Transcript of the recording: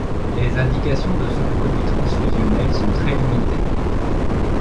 Les indications de ce produit transfusionnel sont très limitées.